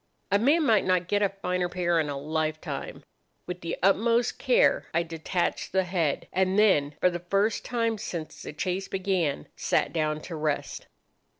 A man might not get a finer pair in a lifetime. With the utmost care I detached the head, and then, for the first time since the chase began, sat down to rest.